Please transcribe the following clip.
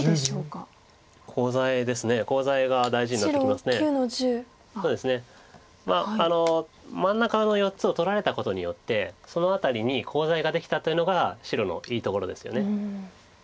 まあ真ん中の４つを取られたことによってその辺りにコウ材ができたというのが白のいいところですよね。